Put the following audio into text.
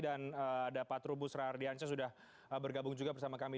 dan dapat rubus radiansyah sudah bergabung juga bersama kami